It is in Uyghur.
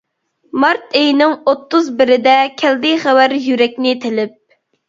مارت ئېيىنىڭ ئوتتۇز بىرىدە، كەلدى خەۋەر يۈرەكنى تىلىپ.